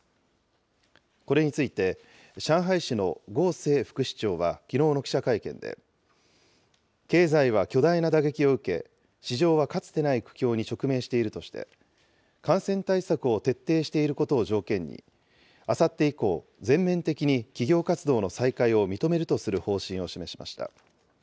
これについて、上海市の呉清副市長はきのうの記者会見で、経済は巨大な打撃を受け、市場はかつてない苦境に直面しているとして、感染対策を徹底していることを条件に、あさって以降、全面的に企業活動の再開を認めるとする方針を示しました。